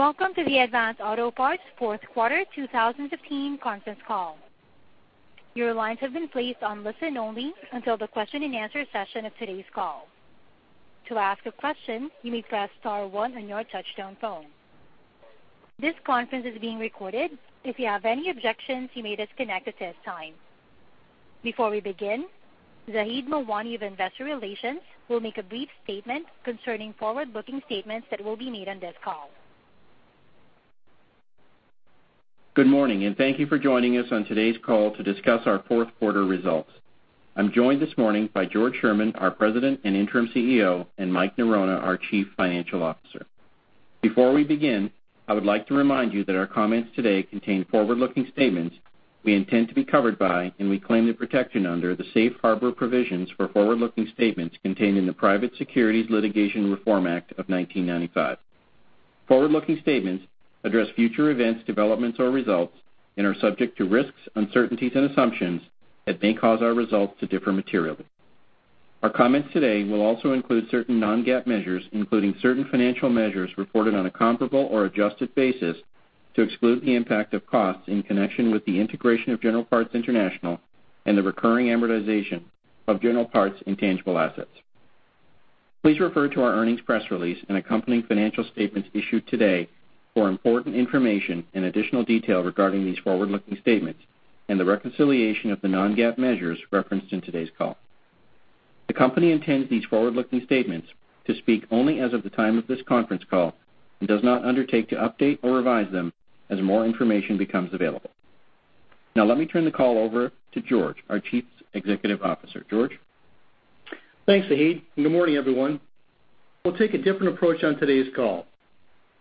Welcome to the Advance Auto Parts' fourth quarter 2015 conference call. Your lines have been placed on listen-only until the question and answer session of today's call. To ask a question, you may press star one on your touchtone phone. This conference is being recorded. If you have any objections, you may disconnect at this time. Before we begin, Zaheed Mawani of Investor Relations will make a brief statement concerning forward-looking statements that will be made on this call. Good morning. Thank you for joining us on today's call to discuss our fourth quarter results. I'm joined this morning by George Sherman, our President and Interim CEO, and Mike Norona, our Chief Financial Officer. Before we begin, I would like to remind you that our comments today contain forward-looking statements we intend to be covered by, and we claim the protection under, the safe harbor provisions for forward-looking statements contained in the Private Securities Litigation Reform Act of 1995. Forward-looking statements address future events, developments, or results and are subject to risks, uncertainties, and assumptions that may cause our results to differ materially. Our comments today will also include certain non-GAAP measures, including certain financial measures reported on a comparable or adjusted basis to exclude the impact of costs in connection with the integration of General Parts International and the recurring amortization of General Parts' intangible assets. Please refer to our earnings press release and accompanying financial statements issued today for important information and additional detail regarding these forward-looking statements and the reconciliation of the non-GAAP measures referenced in today's call. The company intends these forward-looking statements to speak only as of the time of this conference call and does not undertake to update or revise them as more information becomes available. Let me turn the call over to George, our Chief Executive Officer. George? Thanks, Zaheed. Good morning, everyone. We'll take a different approach on today's call.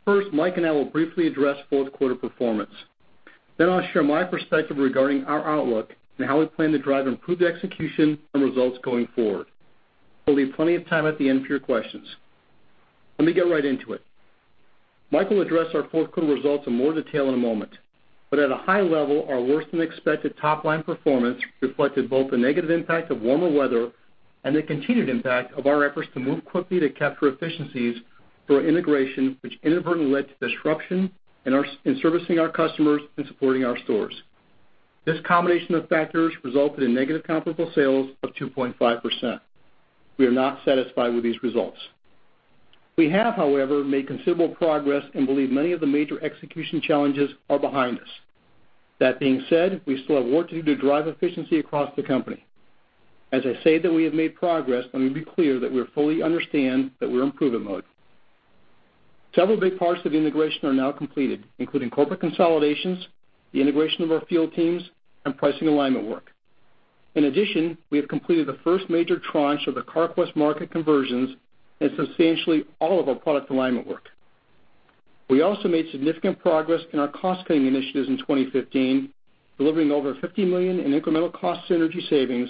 First, Mike and I will briefly address fourth quarter performance. I'll share my perspective regarding our outlook and how we plan to drive improved execution and results going forward. We'll leave plenty of time at the end for your questions. Let me get right into it. Mike will address our fourth quarter results in more detail in a moment. At a high level, our worse-than-expected top-line performance reflected both the negative impact of warmer weather and the continued impact of our efforts to move quickly to capture efficiencies through our integration, which inadvertently led to disruption in servicing our customers and supporting our stores. This combination of factors resulted in negative comparable sales of 2.5%. We are not satisfied with these results. We have, however, made considerable progress and believe many of the major execution challenges are behind us. That being said, we still have work to do to drive efficiency across the company. As I say that we have made progress, let me be clear that we fully understand that we're in improvement mode. Several big parts of the integration are now completed, including corporate consolidations, the integration of our field teams, and pricing alignment work. In addition, we have completed the first major tranche of the Carquest market conversions and substantially all of our product alignment work. We also made significant progress in our cost-saving initiatives in 2015, delivering over $50 million in incremental cost synergy savings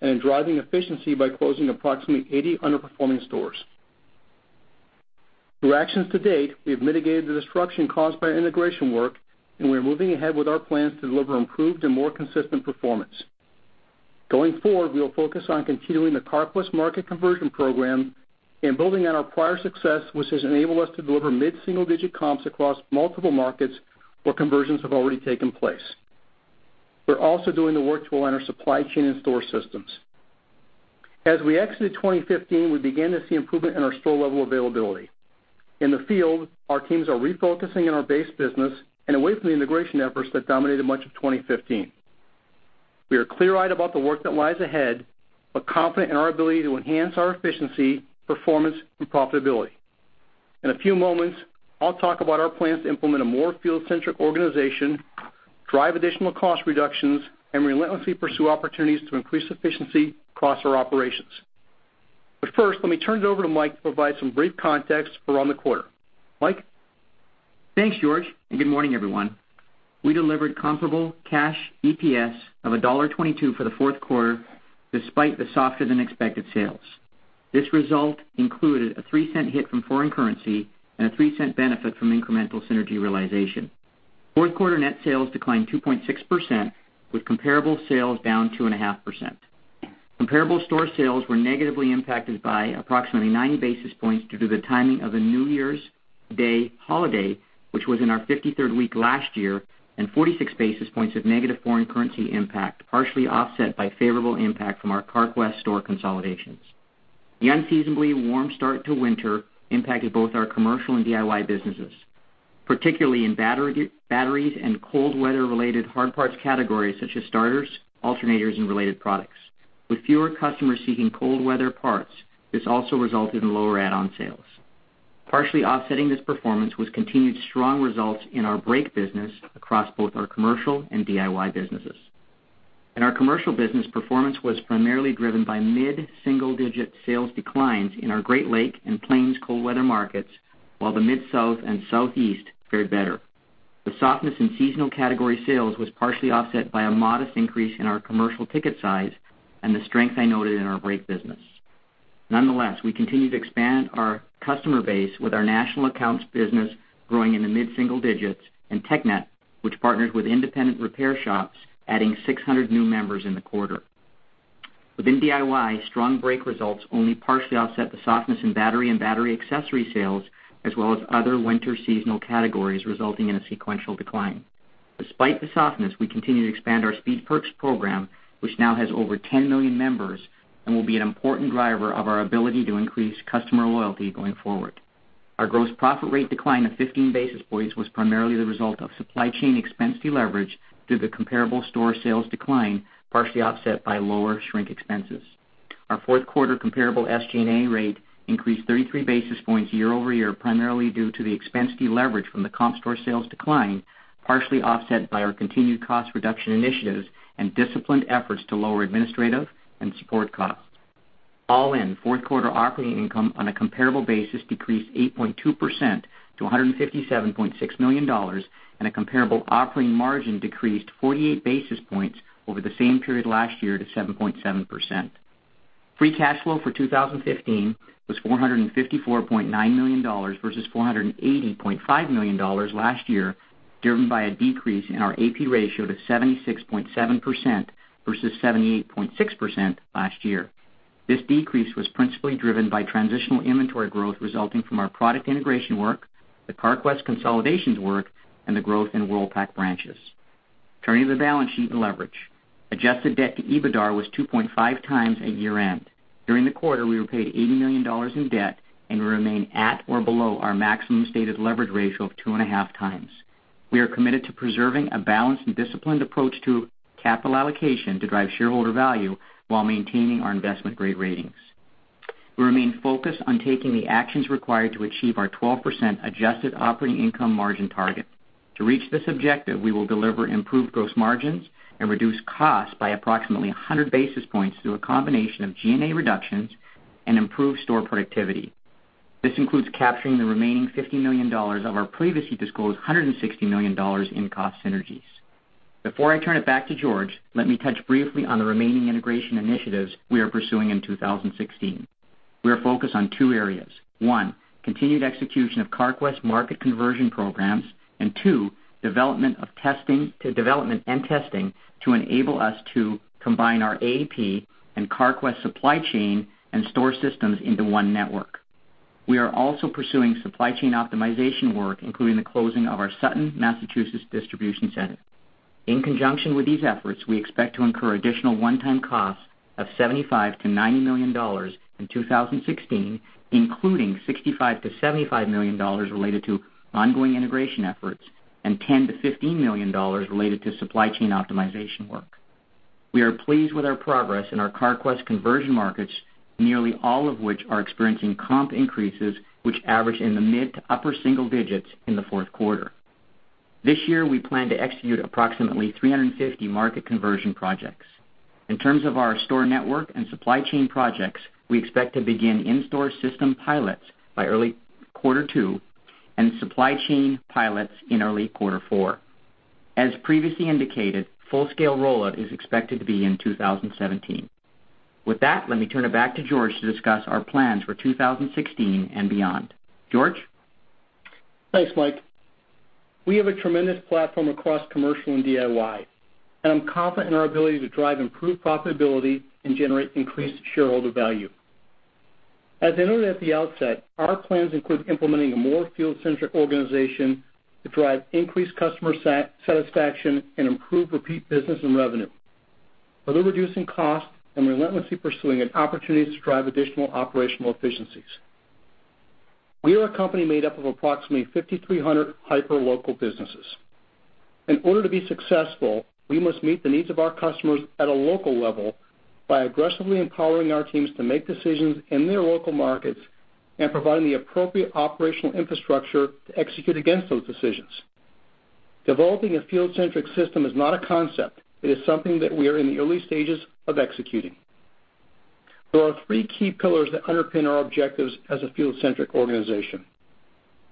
and driving efficiency by closing approximately 80 underperforming stores. Through actions to date, we have mitigated the disruption caused by our integration work, and we are moving ahead with our plans to deliver improved and more consistent performance. Going forward, we will focus on continuing the Carquest market conversion program and building on our prior success, which has enabled us to deliver mid-single-digit comps across multiple markets where conversions have already taken place. We're also doing the work to align our supply chain and store systems. As we exited 2015, we began to see improvement in our store-level availability. In the field, our teams are refocusing on our base business and away from the integration efforts that dominated much of 2015. We are clear-eyed about the work that lies ahead but confident in our ability to enhance our efficiency, performance, and profitability. In a few moments, I'll talk about our plans to implement a more field-centric organization, drive additional cost reductions, and relentlessly pursue opportunities to increase efficiency across our operations. First, let me turn it over to Mike to provide some brief context around the quarter. Mike? Thanks, George, and good morning, everyone. We delivered comparable cash EPS of $1.22 for the fourth quarter despite the softer-than-expected sales. This result included a $0.03 hit from foreign currency and a $0.03 benefit from incremental synergy realization. Fourth quarter net sales declined 2.6%, with comparable sales down 2.5%. Comparable store sales were negatively impacted by approximately 90 basis points due to the timing of the New Year's Day holiday, which was in our 53rd week last year, and 46 basis points of negative foreign currency impact, partially offset by favorable impact from our Carquest store consolidations. The unseasonably warm start to winter impacted both our commercial and DIY businesses, particularly in batteries and cold weather-related hard parts categories such as starters, alternators, and related products. With fewer customers seeking cold weather parts, this also resulted in lower add-on sales. Partially offsetting this performance was continued strong results in our brake business across both our commercial and DIY businesses. In our commercial business, performance was primarily driven by mid-single-digit sales declines in our Great Lakes and Plains cold weather markets, while the Mid-South and Southeast fared better. The softness in seasonal category sales was partially offset by a modest increase in our commercial ticket size and the strength I noted in our brake business. Nonetheless, we continue to expand our customer base with our national accounts business growing in the mid-single digits and TechNet, which partners with independent repair shops, adding 600 new members in the quarter. Within DIY, strong brake results only partially offset the softness in battery and battery accessory sales, as well as other winter seasonal categories, resulting in a sequential decline. Despite the softness, we continue to expand our Speed Perks program, which now has over 10 million members and will be an important driver of our ability to increase customer loyalty going forward. Our gross profit rate decline of 15 basis points was primarily the result of supply chain expense deleverage due to the comparable store sales decline, partially offset by lower shrink expenses. Our fourth quarter comparable SG&A rate increased 33 basis points year-over-year, primarily due to the expense deleverage from the comp store sales decline, partially offset by our continued cost reduction initiatives and disciplined efforts to lower administrative and support costs. All in, fourth quarter operating income on a comparable basis decreased 8.2% to $157.6 million and a comparable operating margin decreased 48 basis points over the same period last year to 7.7%. Free cash flow for 2015 was $454.9 million, versus $480.5 million last year, driven by a decrease in our AP ratio to 76.7% versus 78.6% last year. This decrease was principally driven by transitional inventory growth resulting from our product integration work, the Carquest consolidations work, and the growth in Worldpac branches. Turning to the balance sheet and leverage. Adjusted debt to EBITDAR was 2.5 times at year-end. During the quarter, we repaid $80 million in debt and we remain at or below our maximum stated leverage ratio of two and a half times. We are committed to preserving a balanced and disciplined approach to capital allocation to drive shareholder value while maintaining our investment-grade ratings. We remain focused on taking the actions required to achieve our 12% adjusted operating income margin target. To reach this objective, we will deliver improved gross margins and reduce costs by approximately 100 basis points through a combination of G&A reductions and improved store productivity. This includes capturing the remaining $50 million of our previously disclosed $160 million in cost synergies. Before I turn it back to George, let me touch briefly on the remaining integration initiatives we are pursuing in 2016. We are focused on two areas. One, continued execution of Carquest market conversion programs, and two, development and testing to enable us to combine our AAP and Carquest supply chain and store systems into one network. We are also pursuing supply chain optimization work, including the closing of our Sutton, Massachusetts, distribution center. In conjunction with these efforts, we expect to incur additional one-time costs of $75 million to $90 million in 2016, including $65 million to $75 million related to ongoing integration efforts and $10 million to $15 million related to supply chain optimization work. We are pleased with our progress in our Carquest conversion markets, nearly all of which are experiencing comp increases, which averaged in the mid to upper single digits in the fourth quarter. This year, we plan to execute approximately 350 market conversion projects. In terms of our store network and supply chain projects, we expect to begin in-store system pilots by early quarter two and supply chain pilots in early quarter four. As previously indicated, full-scale rollout is expected to be in 2017. With that, let me turn it back to George to discuss our plans for 2016 and beyond. George? Thanks, Mike. We have a tremendous platform across commercial and DIY. I'm confident in our ability to drive improved profitability and generate increased shareholder value. As I noted at the outset, our plans include implementing a more field-centric organization to drive increased customer satisfaction and improve repeat business and revenue, further reducing costs and relentlessly pursuing opportunities to drive additional operational efficiencies. We are a company made up of approximately 5,300 hyper-local businesses. In order to be successful, we must meet the needs of our customers at a local level by aggressively empowering our teams to make decisions in their local markets and providing the appropriate operational infrastructure to execute against those decisions. Developing a field-centric system is not a concept. It is something that we are in the early stages of executing. There are three key pillars that underpin our objectives as a field-centric organization.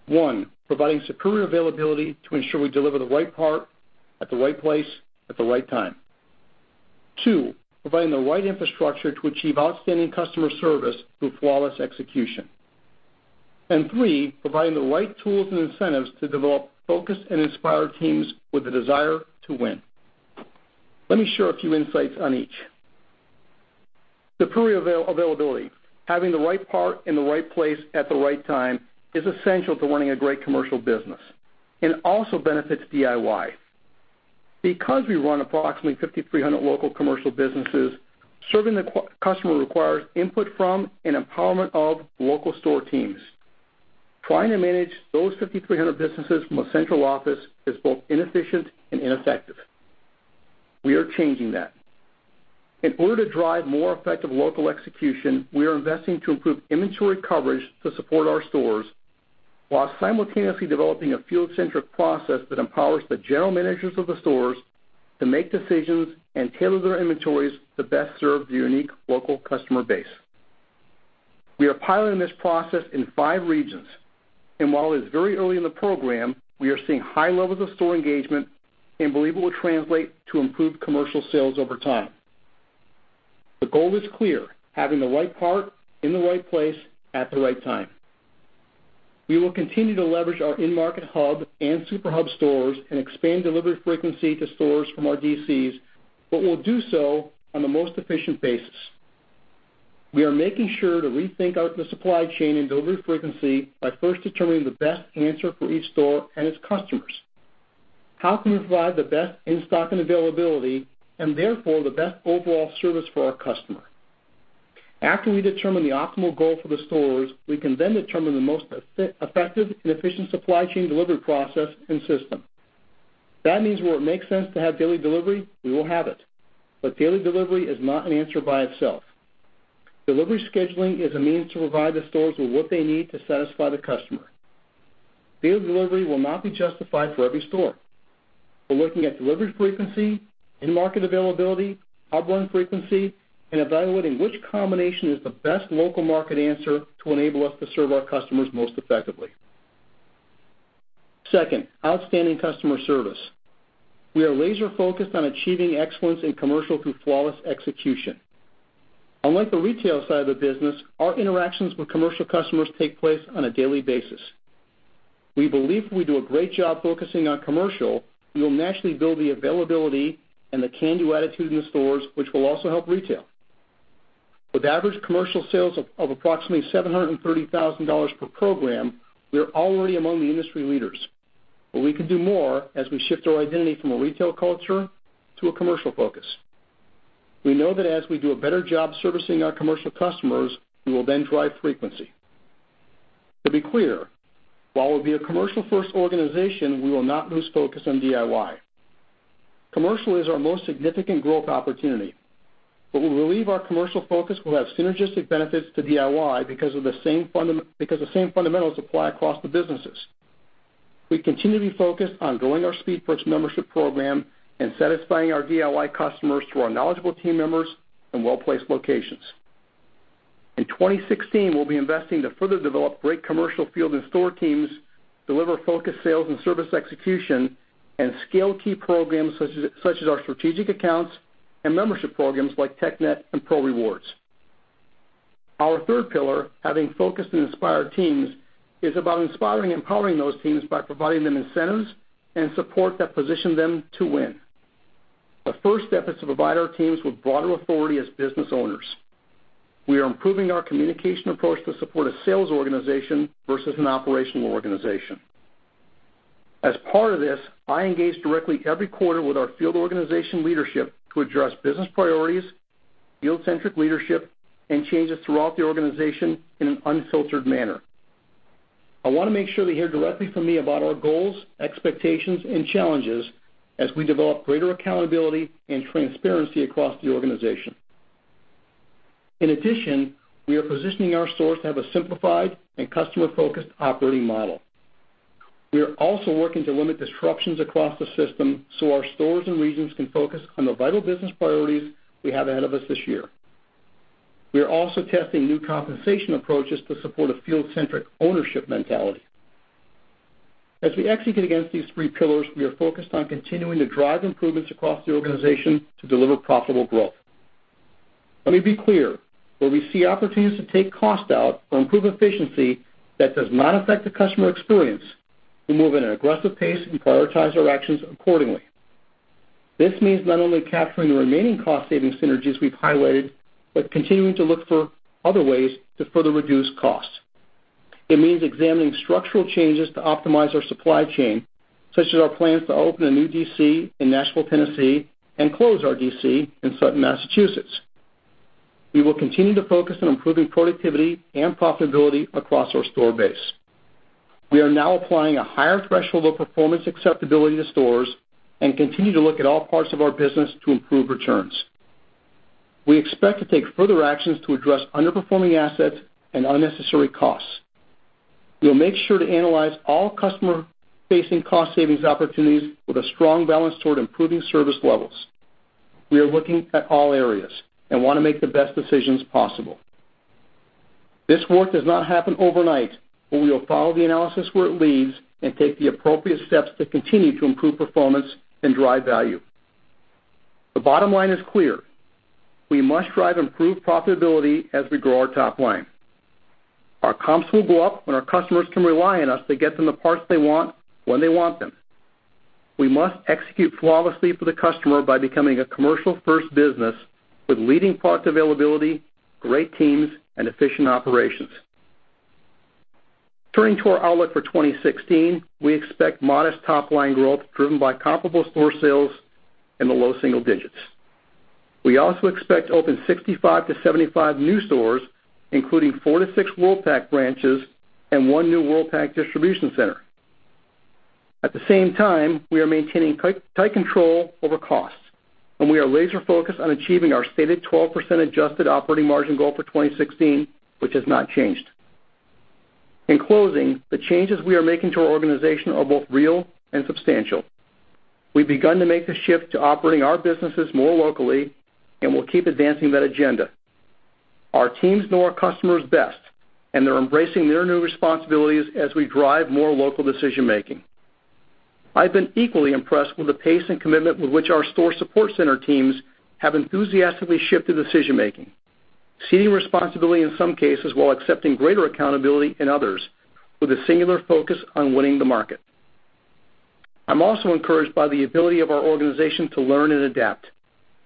One, providing superior availability to ensure we deliver the right part at the right place at the right time. Two, providing the right infrastructure to achieve outstanding customer service through flawless execution. Three, providing the right tools and incentives to develop focused and inspired teams with the desire to win. Let me share a few insights on each. Superior availability. Having the right part in the right place at the right time is essential to running a great commercial business, and it also benefits DIY. Because we run approximately 5,300 local commercial businesses, serving the customer requires input from and empowerment of local store teams. Trying to manage those 5,300 businesses from a central office is both inefficient and ineffective. We are changing that. In order to drive more effective local execution, we are investing to improve inventory coverage to support our stores while simultaneously developing a field-centric process that empowers the general managers of the stores to make decisions and tailor their inventories to best serve the unique local customer base. We are piloting this process in five regions, and while it is very early in the program, we are seeing high levels of store engagement and believe it will translate to improved commercial sales over time. The goal is clear: having the right part in the right place at the right time. We will continue to leverage our in-market hub and super hub stores and expand delivery frequency to stores from our DCs, but we'll do so on the most efficient basis. We are making sure to rethink the supply chain and delivery frequency by first determining the best answer for each store and its customers. How can we provide the best in-stock and availability, and therefore the best overall service for our customer? After we determine the optimal goal for the stores, we can then determine the most effective and efficient supply chain delivery process and system. That means where it makes sense to have daily delivery, we will have it. Daily delivery is not an answer by itself. Delivery scheduling is a means to provide the stores with what they need to satisfy the customer. Daily delivery will not be justified for every store. We're looking at delivery frequency, in-market availability, hub run frequency, and evaluating which combination is the best local market answer to enable us to serve our customers most effectively. Second, outstanding customer service. We are laser-focused on achieving excellence in commercial through flawless execution. Unlike the retail side of the business, our interactions with commercial customers take place on a daily basis. We believe if we do a great job focusing on commercial, we will naturally build the availability and the can-do attitude in stores, which will also help retail. With average commercial sales of approximately $730,000 per program, we are already among the industry leaders. We can do more as we shift our identity from a retail culture to a commercial focus. We know that as we do a better job servicing our commercial customers, we will then drive frequency. To be clear, while we'll be a commercial-first organization, we will not lose focus on DIY. Commercial is our most significant growth opportunity. We believe our commercial focus will have synergistic benefits to DIY because the same fundamentals apply across the businesses. We continue to be focused on growing our Speed Perks membership program and satisfying our DIY customers through our knowledgeable team members and well-placed locations. In 2016, we'll be investing to further develop great commercial field and store teams, deliver focused sales and service execution, and scale key programs such as our strategic accounts and membership programs like TechNet and ProRewards. Our third pillar, having focused and inspired teams, is about inspiring and empowering those teams by providing them incentives and support that position them to win. The first step is to provide our teams with broader authority as business owners. We are improving our communication approach to support a sales organization versus an operational organization. As part of this, I engage directly every quarter with our field organization leadership to address business priorities, field-centric leadership, and changes throughout the organization in an unfiltered manner. I want to make sure they hear directly from me about our goals, expectations, and challenges as we develop greater accountability and transparency across the organization. In addition, we are positioning our stores to have a simplified and customer-focused operating model. We are also working to limit disruptions across the system so our stores and regions can focus on the vital business priorities we have ahead of us this year. We are also testing new compensation approaches to support a field-centric ownership mentality. As we execute against these three pillars, we are focused on continuing to drive improvements across the organization to deliver profitable growth. Let me be clear. Where we see opportunities to take cost out or improve efficiency that does not affect the customer experience, we move at an aggressive pace and prioritize our actions accordingly. This means not only capturing the remaining cost-saving synergies we've highlighted, but continuing to look for other ways to further reduce costs. It means examining structural changes to optimize our supply chain, such as our plans to open a new DC in Nashville, Tennessee, and close our DC in Sutton, Massachusetts. We will continue to focus on improving productivity and profitability across our store base. We are now applying a higher threshold of performance acceptability to stores and continue to look at all parts of our business to improve returns. We expect to take further actions to address underperforming assets and unnecessary costs. We'll make sure to analyze all customer-facing cost savings opportunities with a strong balance toward improving service levels. We are looking at all areas and want to make the best decisions possible. This work does not happen overnight, but we will follow the analysis where it leads and take the appropriate steps to continue to improve performance and drive value. The bottom line is clear. We must drive improved profitability as we grow our top line. Our comps will go up when our customers can rely on us to get them the parts they want when they want them. We must execute flawlessly for the customer by becoming a commercial-first business with leading parts availability, great teams, and efficient operations. Turning to our outlook for 2016, we expect modest top-line growth driven by comparable store sales in the low single digits. We also expect to open 65 to 75 new stores, including four to six Worldpac branches and one new Worldpac distribution center. At the same time, we are maintaining tight control over costs. We are laser-focused on achieving our stated 12% adjusted operating margin goal for 2016, which has not changed. In closing, the changes we are making to our organization are both real and substantial. We've begun to make the shift to operating our businesses more locally. We'll keep advancing that agenda. Our teams know our customers best, and they're embracing their new responsibilities as we drive more local decision-making. I've been equally impressed with the pace and commitment with which our store support center teams have enthusiastically shifted decision-making, ceding responsibility in some cases while accepting greater accountability in others with a singular focus on winning the market. I'm also encouraged by the ability of our organization to learn and adapt,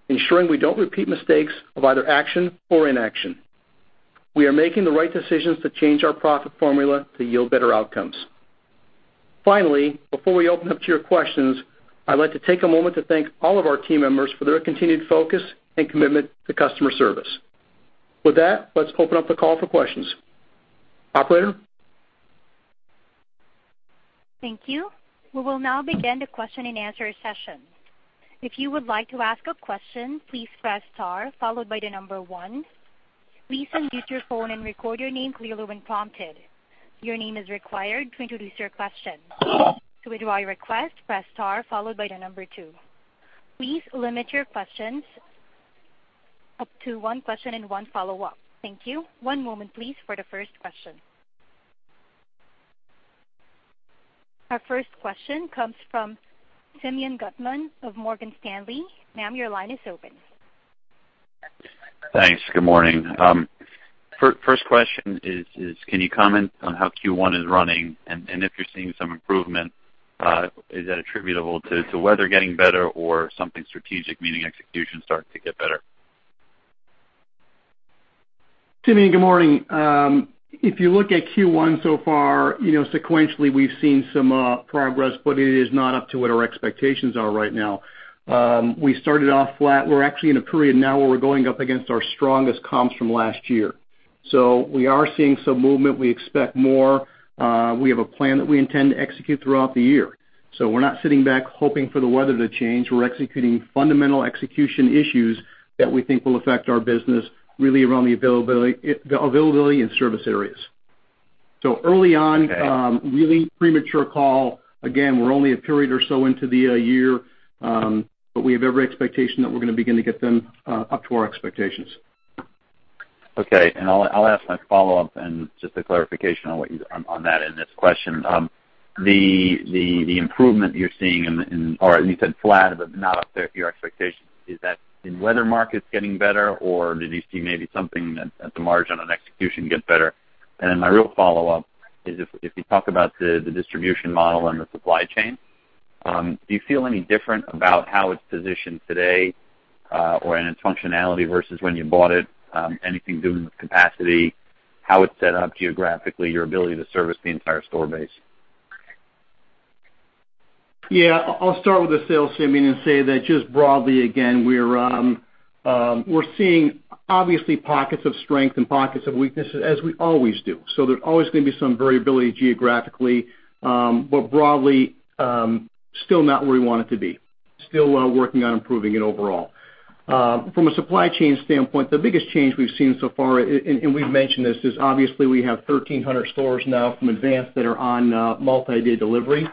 ensuring we don't repeat mistakes of either action or inaction. We are making the right decisions to change our profit formula to yield better outcomes. Finally, before we open up to your questions, I'd like to take a moment to thank all of our team members for their continued focus and commitment to customer service. With that, let's open up the call for questions. Operator? Thank you. We will now begin the question and answer session. If you would like to ask a question, please press star followed by the number one. Please unmute your phone and record your name clearly when prompted. Your name is required to introduce your question. To withdraw your request, press star followed by the number two. Please limit your questions up to one question and one follow-up. Thank you. One moment please for the first question. Our first question comes from Simeon Gutman of Morgan Stanley. Ma'am, your line is open. Thanks. Good morning. First question is, can you comment on how Q1 is running? If you're seeing some improvement, is that attributable to weather getting better or something strategic, meaning execution starting to get better? Simeon, good morning. If you look at Q1 so far, sequentially, we've seen some progress, it is not up to what our expectations are right now. We started off flat. We're actually in a period now where we're going up against our strongest comps from last year. We are seeing some movement. We expect more. We have a plan that we intend to execute throughout the year. We're not sitting back hoping for the weather to change. We're executing fundamental execution issues that we think will affect our business really around the availability and service areas. Okay really premature call. Again, we're only a period or so into the year, we have every expectation that we're going to begin to get them up to our expectations. Okay. I'll ask my follow-up and just a clarification on that and this question. The improvement you're seeing in, or you said flat, but not up to your expectations, is that in weather markets getting better, or did you see maybe something at the margin on execution get better? My real follow-up is, if you talk about the distribution model and the supply chain, do you feel any different about how it's positioned today, or in its functionality versus when you bought it, anything doing with capacity, how it's set up geographically, your ability to service the entire store base? Yeah. I'll start with the sales, Simeon, say that just broadly, again, we're seeing obviously pockets of strength and pockets of weaknesses as we always do. There's always going to be some variability geographically. Broadly, still not where we want it to be. Still working on improving it overall. From a supply chain standpoint, the biggest change we've seen so far, and we've mentioned this, is obviously we have 1,300 stores now from Advance that are on multi-day delivery.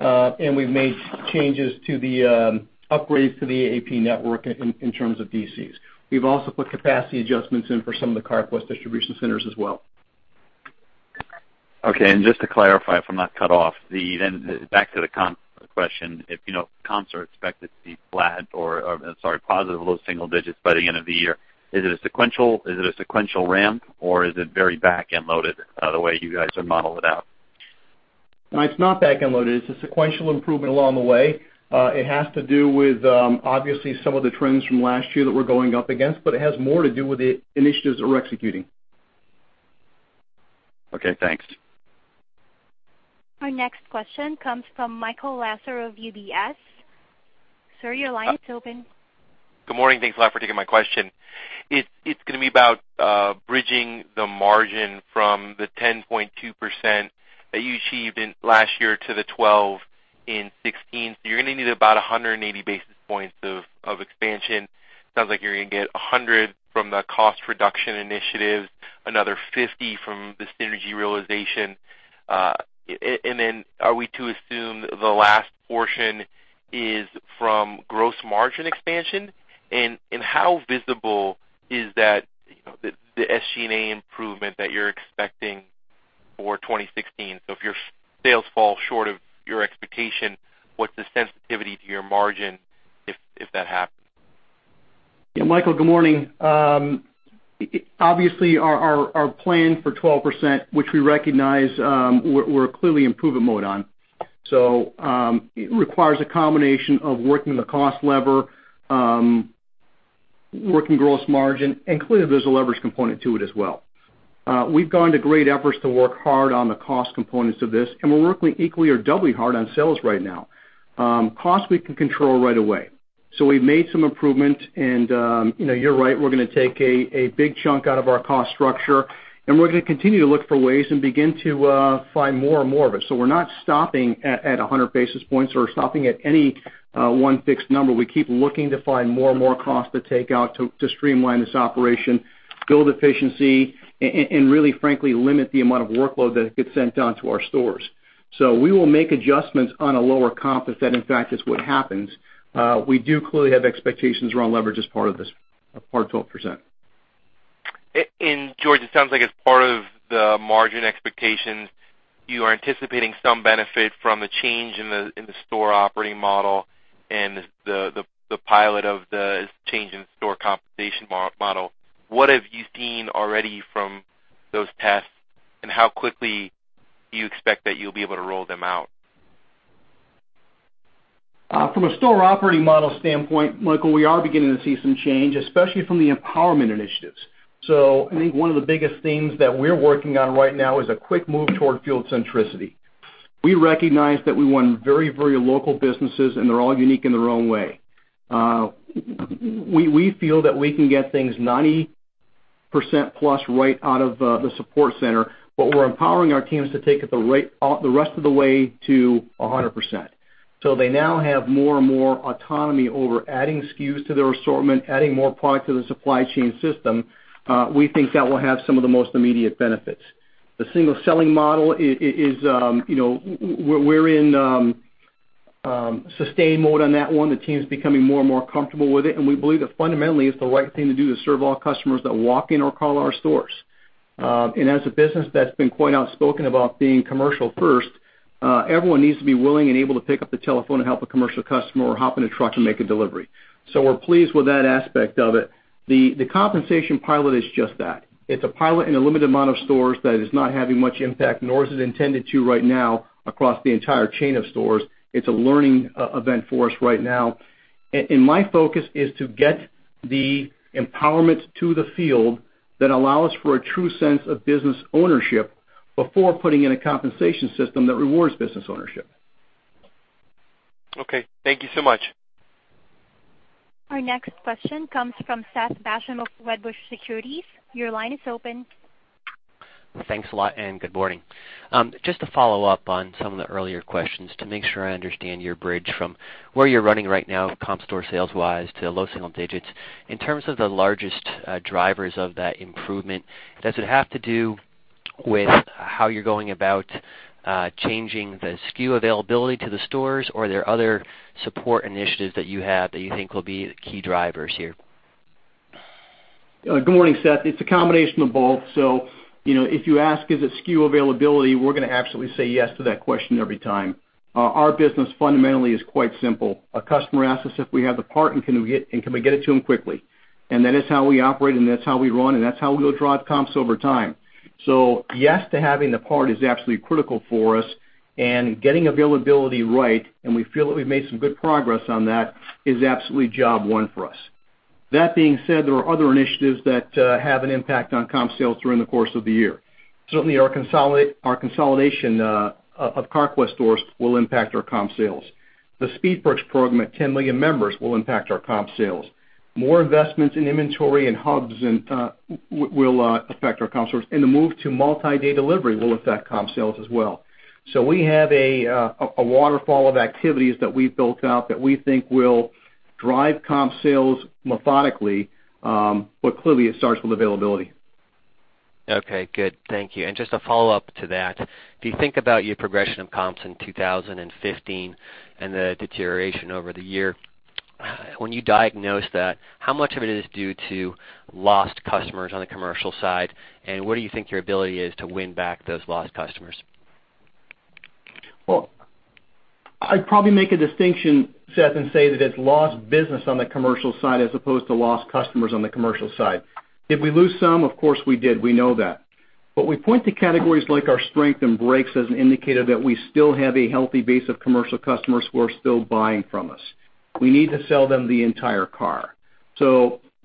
We've made changes to the upgrades to the AP network in terms of DCs. We've also put capacity adjustments in for some of the Carquest distribution centers as well. Okay, just to clarify, if I'm not cut off, back to the comp question. If comps are expected to be flat or, sorry, positive, low single digits by the end of the year, is it a sequential ramp, or is it very back-end loaded the way you guys have modeled it out? No, it's not back-end loaded. It's a sequential improvement along the way. It has to do with, obviously, some of the trends from last year that we're going up against, but it has more to do with the initiatives that we're executing. Okay, thanks. Our next question comes from Michael Lasser of UBS. Sir, your line is open. Good morning. Thanks a lot for taking my question. It's going to be about bridging the margin from the 10.2% that you achieved last year to the 12% in 2016. You're going to need about 180 basis points of expansion. Sounds like you're going to get 100 basis points from the cost reduction initiatives, another 50 basis points from the synergy realization. Are we to assume the last portion is from gross margin expansion? How visible is that, the SG&A improvement that you're expecting for 2016? If your sales fall short of your expectation, what's the sensitivity to your margin if that happens? Yeah. Michael, good morning. Obviously, our plan for 12%, which we recognize we're clearly improve mode on. It requires a combination of working the cost lever, working gross margin, and clearly there's a leverage component to it as well. We've gone to great efforts to work hard on the cost components of this, and we're working equally or doubly hard on sales right now. Cost we can control right away. We've made some improvement and you're right, we're going to take a big chunk out of our cost structure, and we're going to continue to look for ways and begin to find more and more of it. We're not stopping at 100 basis points or stopping at any one fixed number. We keep looking to find more and more cost to take out to streamline this operation, build efficiency, and really, frankly, limit the amount of workload that gets sent down to our stores. We will make adjustments on a lower comp if that, in fact, is what happens. We do clearly have expectations around leverage as part of this, part of 12%. George, it sounds like as part of the margin expectations, you are anticipating some benefit from the change in the store operating model and the pilot of the change in store compensation model. What have you seen already from those tests, and how quickly do you expect that you'll be able to roll them out? From a store operating model standpoint, Michael, we are beginning to see some change, especially from the empowerment initiatives. I think one of the biggest things that we're working on right now is a quick move toward field centricity. We recognize that we run very local businesses, and they're all unique in their own way. We feel that we can get things 90% plus right out of the support center, but we're empowering our teams to take it the rest of the way to 100%. They now have more and more autonomy over adding SKUs to their assortment, adding more product to the supply chain system. We think that will have some of the most immediate benefits. The single selling model, we're in sustain mode on that one. The team's becoming more and more comfortable with it, and we believe that fundamentally it's the right thing to do to serve all customers that walk in or call our stores. As a business that's been quite outspoken about being commercial first, everyone needs to be willing and able to pick up the telephone and help a commercial customer or hop in a truck and make a delivery. We're pleased with that aspect of it. The compensation pilot is just that. It's a pilot in a limited amount of stores that is not having much impact, nor is it intended to right now across the entire chain of stores. It's a learning event for us right now. My focus is to get the empowerment to the field that allow us for a true sense of business ownership before putting in a compensation system that rewards business ownership. Okay. Thank you so much. Our next question comes from Seth Basham of Wedbush Securities. Your line is open. Thanks a lot. Good morning. Just to follow up on some of the earlier questions to make sure I understand your bridge from where you're running right now, comp store sales wise to low single digits. In terms of the largest drivers of that improvement, does it have to do with how you're going about changing the SKU availability to the stores, or are there other support initiatives that you have that you think will be key drivers here? Good morning, Seth. It's a combination of both. If you ask, is it SKU availability, we're going to absolutely say yes to that question every time. Our business fundamentally is quite simple. A customer asks us if we have the part and can we get it to them quickly. That is how we operate, and that's how we run, and that's how we'll drive comps over time. Yes to having the part is absolutely critical for us and getting availability right, and we feel that we've made some good progress on that, is absolutely job one for us. That being said, there are other initiatives that have an impact on comp sales during the course of the year. Certainly our consolidation of Carquest stores will impact our comp sales. The Speed Perks program at 10 million members will impact our comp sales. More investments in inventory and hubs will affect our comp sales, and the move to multi-day delivery will affect comp sales as well. We have a waterfall of activities that we've built out that we think will drive comp sales methodically, but clearly it starts with availability. Okay, good. Thank you. Just a follow-up to that, if you think about your progression of comps in 2015 and the deterioration over the year, when you diagnose that, how much of it is due to lost customers on the commercial side, and what do you think your ability is to win back those lost customers? Well, I'd probably make a distinction, Seth, and say that it's lost business on the commercial side as opposed to lost customers on the commercial side. Did we lose some? Of course we did. We know that. We point to categories like our strength in brakes as an indicator that we still have a healthy base of commercial customers who are still buying from us. We need to sell them the entire car.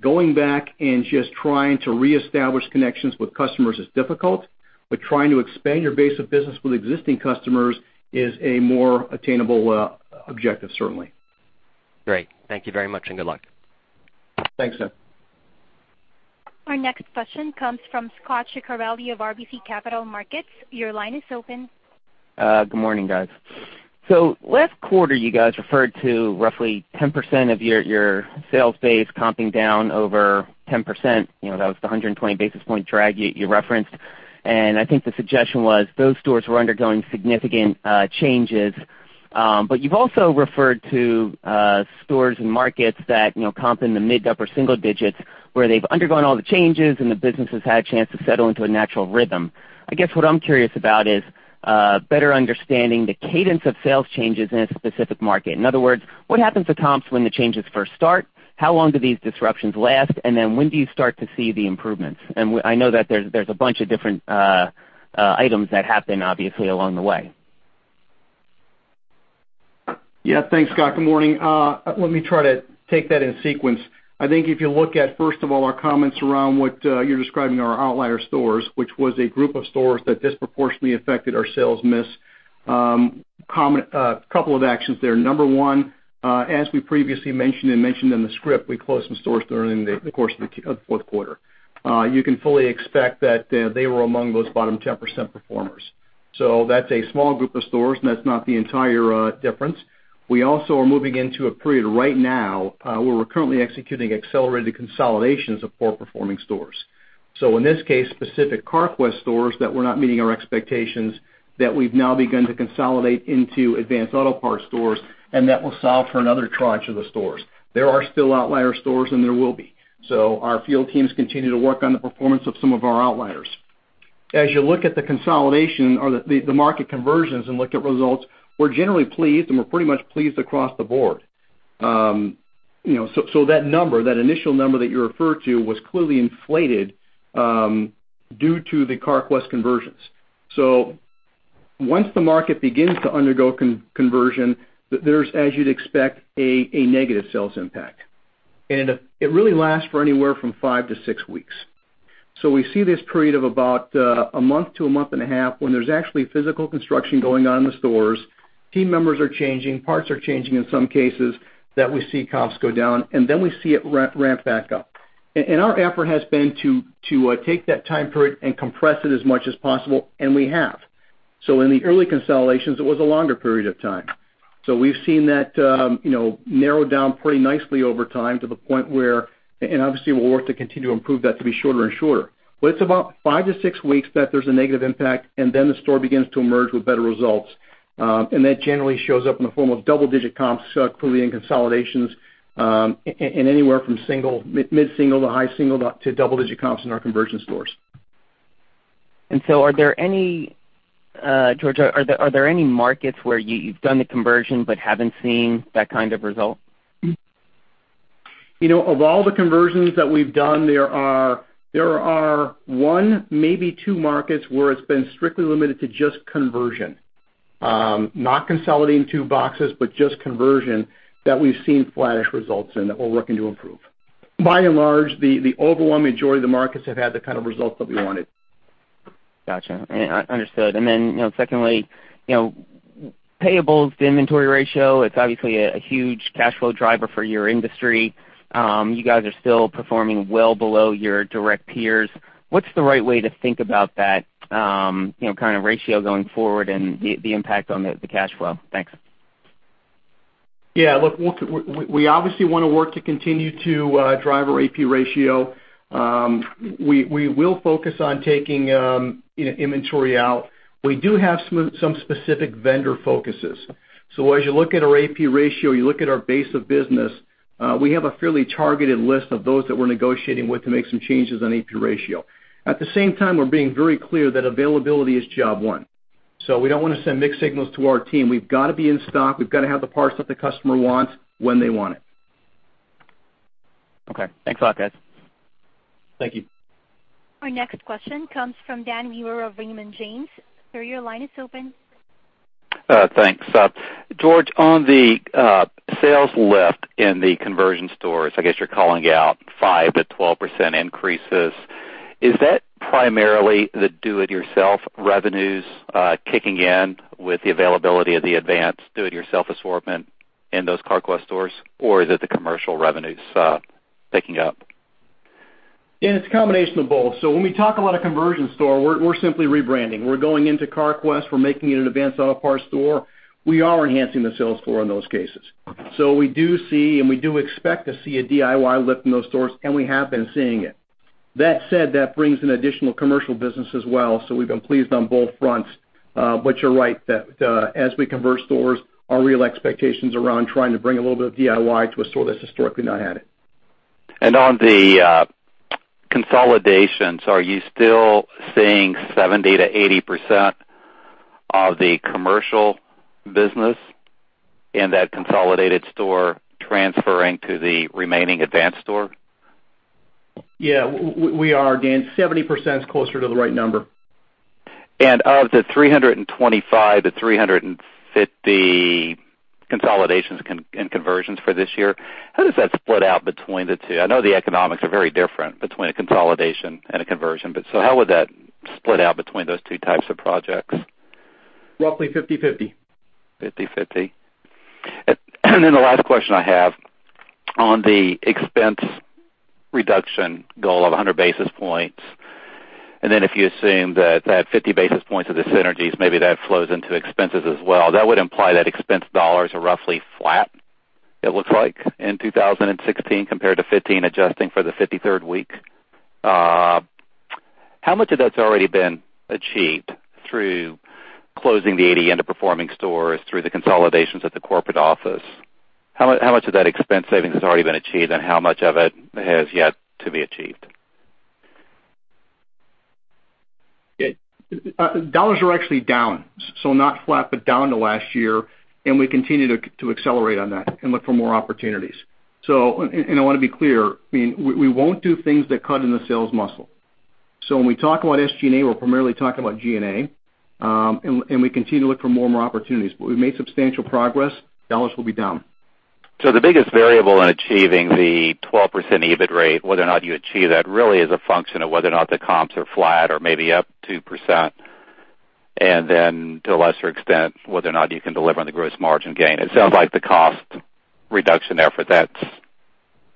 Going back and just trying to reestablish connections with customers is difficult, but trying to expand your base of business with existing customers is a more attainable objective, certainly. Great. Thank you very much, and good luck. Thanks, Seth. Our next question comes from Scot Ciccarelli of RBC Capital Markets. Your line is open. Good morning, guys. Last quarter, you guys referred to roughly 10% of your sales base comping down over 10%. That was the 120 basis point drag you referenced. I think the suggestion was those stores were undergoing significant changes. You've also referred to stores and markets that comp in the mid to upper single digits where they've undergone all the changes and the business has had a chance to settle into a natural rhythm. I guess what I'm curious about is better understanding the cadence of sales changes in a specific market. In other words, what happens to comps when the changes first start? How long do these disruptions last? When do you start to see the improvements? I know that there's a bunch of different items that happen, obviously, along the way. Yeah. Thanks, Scot. Good morning. Let me try to take that in sequence. I think if you look at, first of all, our comments around what you're describing, our outlier stores, which was a group of stores that disproportionately affected our sales miss, couple of actions there. Number 1, as we previously mentioned and mentioned in the script, we closed some stores during the course of the fourth quarter. You can fully expect that they were among those bottom 10% performers. That's a small group of stores, and that's not the entire difference. We also are moving into a period right now where we're currently executing accelerated consolidations of poor-performing stores. In this case, specific Carquest stores that were not meeting our expectations that we've now begun to consolidate into Advance Auto Parts stores, and that will solve for another tranche of the stores. There are still outlier stores, and there will be. Our field teams continue to work on the performance of some of our outliers. As you look at the consolidation or the market conversions and look at results, we're generally pleased, and we're pretty much pleased across the board. That initial number that you referred to was clearly inflated due to the Carquest conversions. Once the market begins to undergo conversion, there's, as you'd expect, a negative sales impact. It really lasts for anywhere from five to six weeks. We see this period of about a month to a month and a half when there's actually physical construction going on in the stores, team members are changing, parts are changing in some cases, that we see comps go down, and then we see it ramp back up. Our effort has been to take that time period and compress it as much as possible, and we have. In the early consolidations, it was a longer period of time. We've seen that narrow down pretty nicely over time to the point where, obviously we'll work to continue to improve that to be shorter and shorter. It's about five to six weeks that there's a negative impact, and then the store begins to emerge with better results. That generally shows up in the form of double-digit comps, clearly in consolidations, and anywhere from mid-single to high single to double-digit comps in our conversion stores. George, are there any markets where you've done the conversion but haven't seen that kind of result? Of all the conversions that we've done, there are one, maybe two markets where it's been strictly limited to just conversion. Not consolidating two boxes, but just conversion that we've seen flattish results in that we're working to improve. By and large, the overwhelming majority of the markets have had the kind of results that we wanted. Got you. Understood. Secondly, payables to inventory ratio, it's obviously a huge cash flow driver for your industry. You guys are still performing well below your direct peers. What's the right way to think about that kind of ratio going forward and the impact on the cash flow? Thanks. Yeah, look, we obviously want to work to continue to drive our AP ratio. We will focus on taking inventory out. We do have some specific vendor focuses. As you look at our AP ratio, you look at our base of business, we have a fairly targeted list of those that we're negotiating with to make some changes on AP ratio. At the same time, we're being very clear that availability is job one. We don't want to send mixed signals to our team. We've got to be in stock. We've got to have the parts that the customer wants when they want it. Okay. Thanks a lot, guys. Thank you. Our next question comes from Daniel Weber of Raymond James. Sir, your line is open. Thanks. George, on the sales lift in the conversion stores, I guess you're calling out 5%-12% increases. Is that primarily the do it yourself revenues kicking in with the availability of the Advance do it yourself assortment in those Carquest stores, or is it the commercial revenues picking up? Yeah, it's a combination of both. When we talk about a conversion store, we're simply rebranding. We're going into Carquest, we're making it an Advance Auto Parts store. We are enhancing the sales floor in those cases. We do see, and we do expect to see a DIY lift in those stores, and we have been seeing it. That said, that brings in additional commercial business as well, we've been pleased on both fronts. You're right, that as we convert stores, our real expectations are around trying to bring a little bit of DIY to a store that's historically not had it. On the consolidations, are you still seeing 70%-80% of the commercial business in that consolidated store transferring to the remaining Advance store? Yeah, we are, Dan. 70% is closer to the right number. Of the 325-350 consolidations and conversions for this year, how does that split out between the two? I know the economics are very different between a consolidation and a conversion, how would that split out between those two types of projects? Roughly 50/50. 50/50. The last question I have, on the expense reduction goal of 100 basis points, and then if you assume that that 50 basis points of the synergies, maybe that flows into expenses as well, that would imply that expense dollars are roughly flat, it looks like, in 2016 compared to 2015, adjusting for the 53rd week. How much of that's already been achieved through closing the 80 underperforming stores through the consolidations at the corporate office? How much of that expense savings has already been achieved, and how much of it has yet to be achieved? Dollars are actually down, so not flat, but down to last year. We continue to accelerate on that and look for more opportunities. I want to be clear, we won't do things that cut in the sales muscle. When we talk about SG&A, we're primarily talking about G&A, and we continue to look for more and more opportunities. We've made substantial progress. Dollars will be down. The biggest variable in achieving the 12% EBIT rate, whether or not you achieve that, really is a function of whether or not the comps are flat or maybe up 2%, and then to a lesser extent, whether or not you can deliver on the gross margin gain. It sounds like the cost reduction effort,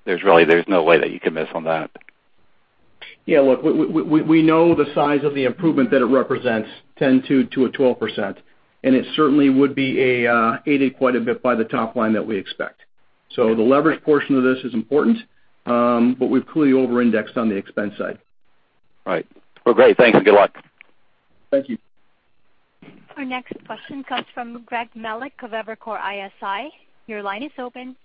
there's no way that you can miss on that. Yeah, look, we know the size of the improvement that it represents, 10%-12%. It certainly would be aided quite a bit by the top line that we expect. The leverage portion of this is important, we've clearly over-indexed on the expense side. Right. Well, great. Thanks, and good luck. Thank you. Our next question comes from Greg Melich of Evercore ISI. Your line is open.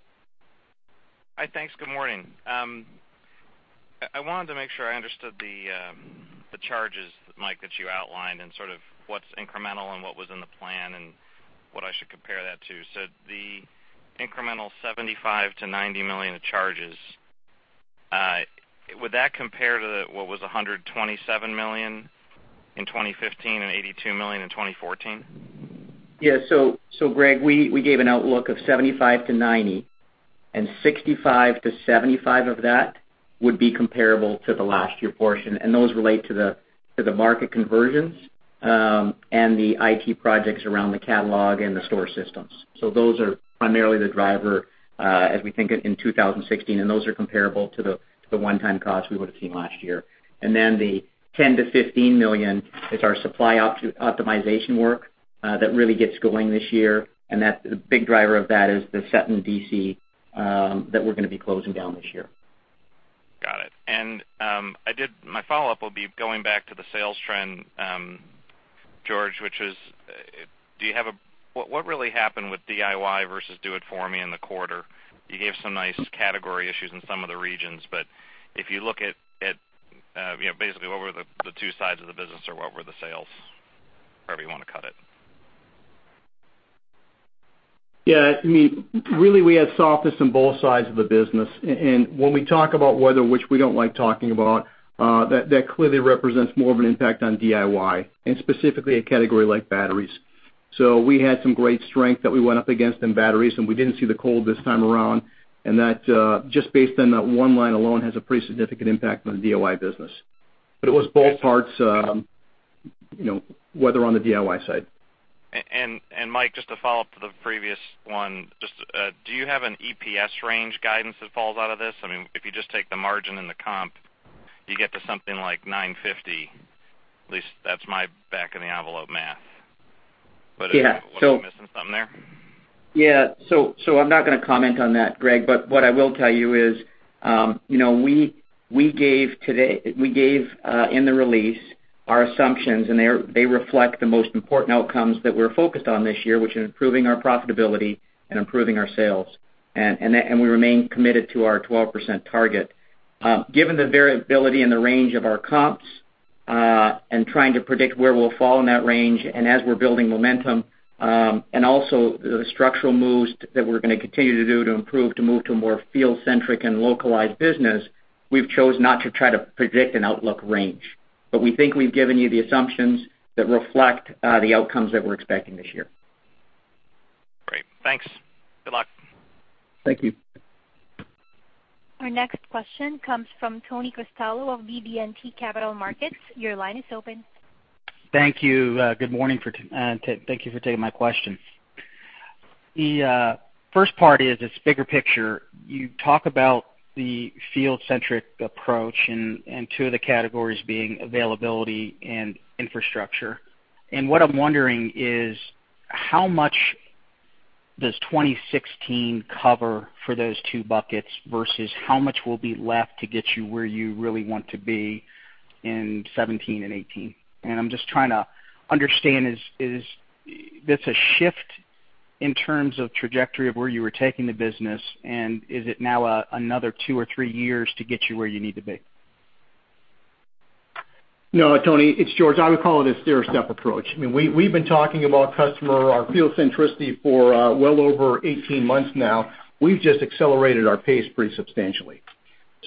Hi. Thanks. Good morning. I wanted to make sure I understood the charges, Mike, that you outlined and what's incremental and what was in the plan and what I should compare that to. The incremental $75 million-$90 million of charges, would that compare to what was $127 million in 2015 and $82 million in 2014? Yeah. Greg, we gave an outlook of $75 million-$90 million, $65 million-$75 million of that would be comparable to the last year portion, and those relate to the market conversions, and the IT projects around the catalog and the store systems. Those are primarily the driver as we think in 2016, and those are comparable to the one-time cost we would've seen last year. The $10 million-$15 million is our supply optimization work that really gets going this year. The big driver of that is the Sutton DC that we're going to be closing down this year. Got it. My follow-up will be going back to the sales trend, George, which is what really happened with DIY versus Do It For Me in the quarter? You gave some nice category issues in some of the regions, but if you look at basically what were the two sides of the business, or what were the sales, however you want to cut it. Yeah. Really, we had softness on both sides of the business. When we talk about weather, which we don't like talking about, that clearly represents more of an impact on DIY and specifically a category like batteries. We had some great strength that we went up against in batteries, we didn't see the cold this time around, that, just based on that one line alone, has a pretty significant impact on the DIY business. It was both parts, weather on the DIY side. Mike, just to follow up to the previous one, just do you have an EPS range guidance that falls out of this? If you just take the margin and the comp, you get to something like $950, at least that's my back of the envelope math. Yeah. Was I missing something there? I'm not going to comment on that, Greg, what I will tell you is, we gave in the release our assumptions, they reflect the most important outcomes that we're focused on this year, which is improving our profitability and improving our sales. We remain committed to our 12% target. Given the variability in the range of our comps, and trying to predict where we'll fall in that range and as we're building momentum, and also the structural moves that we're going to continue to do to improve to move to a more field-centric and localized business, we've chose not to try to predict an outlook range. We think we've given you the assumptions that reflect the outcomes that we're expecting this year. Great. Thanks. Good luck. Thank you. Our next question comes from Tony Cristello of BB&T Capital Markets. Your line is open. Thank you. Good morning. Thank you for taking my question. The first part is this bigger picture. You talk about the field-centric approach and two of the categories being availability and infrastructure. What I'm wondering is how much does 2016 cover for those two buckets versus how much will be left to get you where you really want to be in 2017 and 2018? I'm just trying to understand, is this a shift in terms of trajectory of where you were taking the business, and is it now another two or three years to get you where you need to be? No, Tony. It's George. I would call it a stair-step approach. We've been talking about customer, our field centricity for well over 18 months now. We've just accelerated our pace pretty substantially.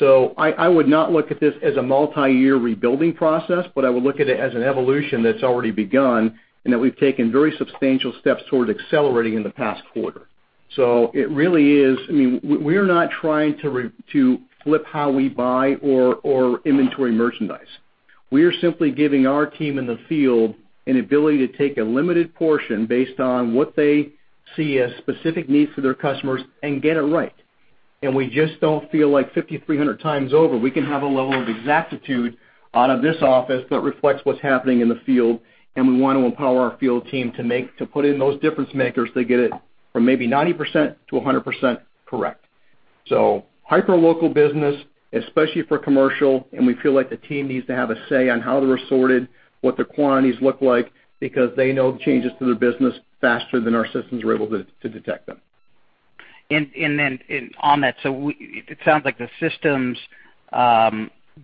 I would not look at this as a multi-year rebuilding process, but I would look at it as an evolution that's already begun and that we've taken very substantial steps towards accelerating in the past quarter. We're not trying to flip how we buy or inventory merchandise. We are simply giving our team in the field an ability to take a limited portion based on what they see as specific needs for their customers and get it right. We just don't feel like 5,300 times over, we can have a level of exactitude out of this office that reflects what's happening in the field, and we want to empower our field team to put in those difference makers to get it from maybe 90% to 100% correct. Hyper local business, especially for commercial, and we feel like the team needs to have a say on how they're assorted, what the quantities look like, because they know the changes to their business faster than our systems are able to detect them. Then on that, it sounds like the systems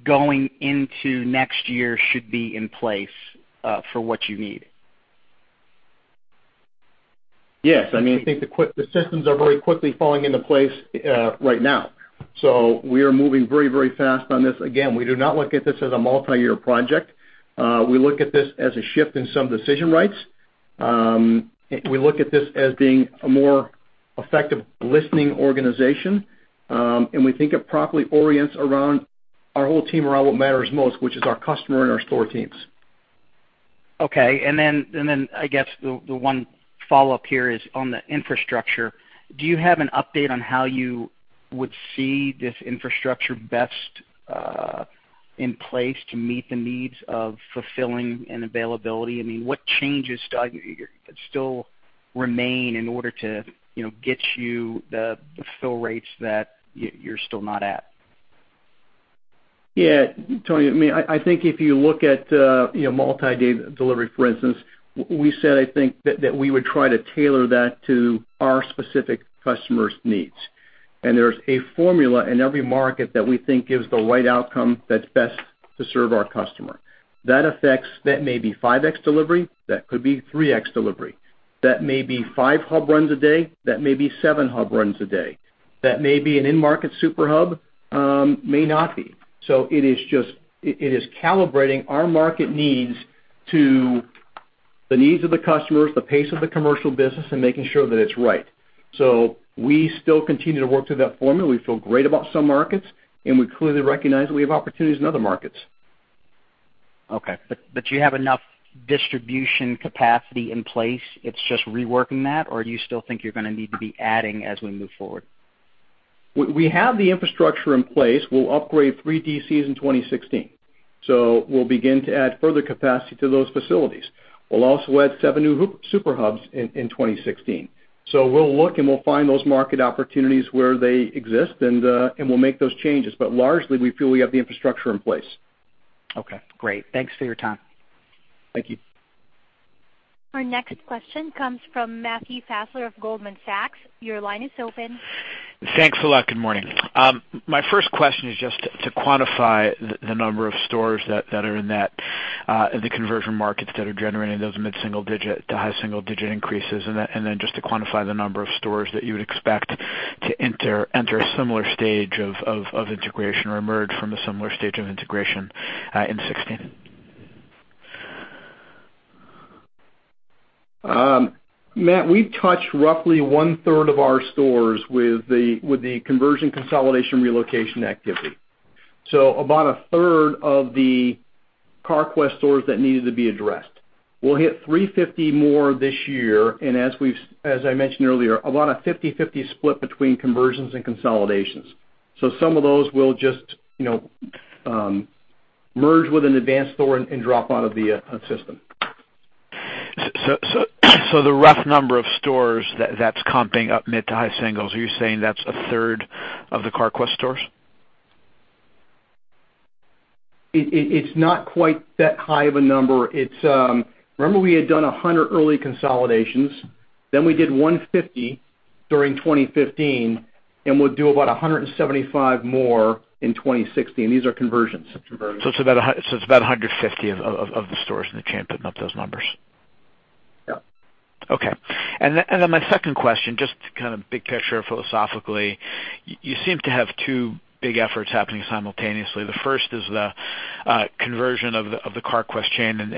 going into next year should be in place for what you need. Yes. I think the systems are very quickly falling into place right now. We are moving very fast on this. Again, we do not look at this as a multi-year project. We look at this as a shift in some decision rights. We look at this as being a more effective listening organization, and we think it properly orients our whole team around what matters most, which is our customer and our store teams. Okay. I guess the one follow-up here is on the infrastructure. Do you have an update on how you would see this infrastructure best in place to meet the needs of fulfilling and availability? What changes still remain in order to get you the fill rates that you're still not at? Yeah, Tony, I think if you look at multi-day delivery, for instance, we said, I think, that we would try to tailor that to our specific customers' needs. There's a formula in every market that we think gives the right outcome that's best to serve our customer. That may be 5X delivery, that could be 3X delivery. That may be five hub runs a day, that may be seven hub runs a day. That may be an in-market super hub, may not be. It is calibrating our market needs to the needs of the customers, the pace of the commercial business, and making sure that it's right. We still continue to work through that formula. We feel great about some markets, and we clearly recognize that we have opportunities in other markets. Okay. You have enough distribution capacity in place, it's just reworking that, or do you still think you're going to need to be adding as we move forward? We have the infrastructure in place. We'll upgrade three DCs in 2016. We'll begin to add further capacity to those facilities. We'll also add seven new super hubs in 2016. We'll look and we'll find those market opportunities where they exist and we'll make those changes. Largely, we feel we have the infrastructure in place. Okay, great. Thanks for your time. Thank you. Our next question comes from Matthew Fassler of Goldman Sachs. Your line is open. Thanks a lot. Good morning. My first question is just to quantify the number of stores that are in the conversion markets that are generating those mid-single-digit to high-single-digit increases, and then just to quantify the number of stores that you would expect to enter a similar stage of integration or emerge from a similar stage of integration in 2016. Matt, we touched roughly one-third of our stores with the conversion consolidation relocation activity. About a third of the Carquest stores that needed to be addressed. We'll hit 350 more this year, and as I mentioned earlier, about a 50/50 split between conversions and consolidations. Some of those will just merge with an Advance store and drop out of the system. The rough number of stores that's comping up mid to high singles, are you saying that's a third of the Carquest stores? It's not quite that high of a number. Remember we had done 100 early consolidations, we did 150 during 2015, and we'll do about 175 more in 2016. These are conversions. It's about 150 of the stores in the chain, putting up those numbers. Yeah. Okay. My second question, just to kind of big picture philosophically, you seem to have two big efforts happening simultaneously. The first is the conversion of the Carquest chain and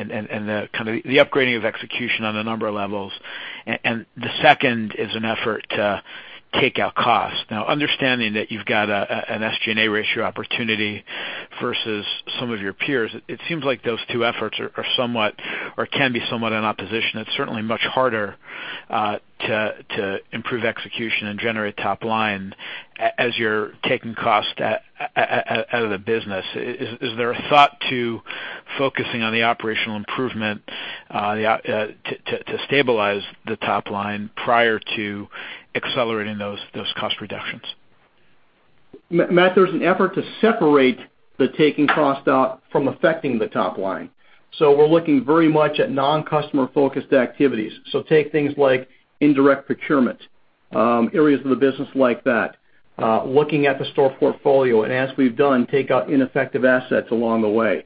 the upgrading of execution on a number of levels. The second is an effort to take out cost. Understanding that you've got an SG&A ratio opportunity versus some of your peers, it seems like those two efforts are somewhat, or can be somewhat in opposition. It's certainly much harder to improve execution and generate top line as you're taking cost out of the business. Is there a thought to focusing on the operational improvement to stabilize the top line prior to accelerating those cost reductions? Matt, there's an effort to separate the taking cost out from affecting the top line. We're looking very much at non-customer focused activities. Take things like indirect procurement, areas of the business like that. Looking at the store portfolio, and as we've done, take out ineffective assets along the way.